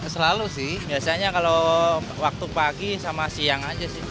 selalu sih biasanya kalau waktu pagi sama siang aja sih